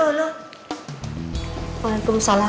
bukannya kamu teh sudah putus dari bela